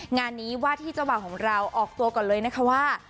งานนี้ว่าที่เจ้าบ่าวของเราออกตัวก่อนเลยนะคะว่า